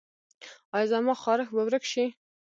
ایا زما خارښ به ورک شي؟